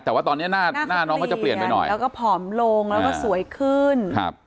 แต่ว่าตอนนี้หน้าหน้าน้องเขาจะเปลี่ยนไปหน่อยแล้วก็ผอมลงแล้วก็สวยขึ้นครับ